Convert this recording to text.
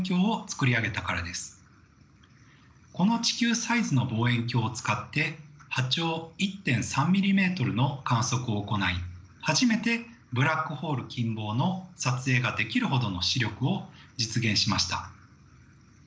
この地球サイズの望遠鏡を使って波長１．３ｍｍの観測を行い初めてブラックホール近傍の撮影ができるほどの視力を実現しました。